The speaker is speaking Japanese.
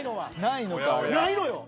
ないのよ。